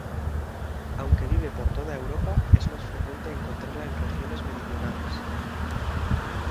Aunque vive por toda Europa es más frecuente encontrarla en regiones meridionales.